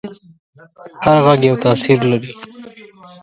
هر غږ یو تاثیر لري.